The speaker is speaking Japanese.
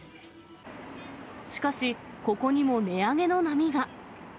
しかし、ここにも値上げの波が。